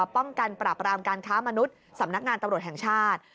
ป้องกันปราบรามการค้ามนุษย์สำนักงานตำรวจแห่งชาติ